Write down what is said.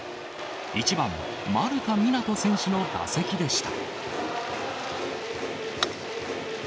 １番丸田湊斗選手の打席でした。